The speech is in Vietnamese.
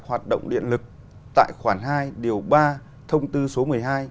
hoạt động điện lực tại khoản hai điều ba thông tư số một mươi hai